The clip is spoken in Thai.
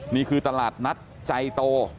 นี่คือตลาดนัดใจโต